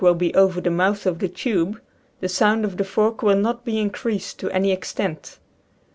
will be over the mouth of the tube, the sound of the fork will not be increased to any extent.